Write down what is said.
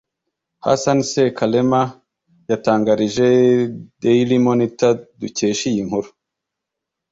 Hassan Ssekalema yatangarije Dail ymonitor dukesha iyi nkuru